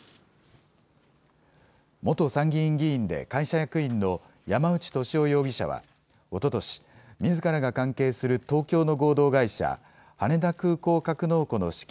元参議院議員で会社役員の山内俊夫容疑者はおととし、みずからが関係する東京の合同会社、羽田空港格納庫の資金